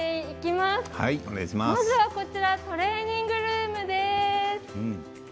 まずはこちらトレーニングルームです。